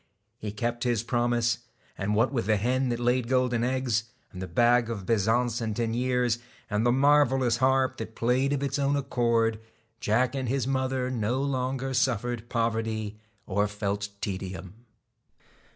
He kept his promise, and what with the hen that laid golden eggs, and the bags of bezants and deniers, and the marvellous harp that played of its own accord, Jack and his mother no longer suffered poverty or felt tedium.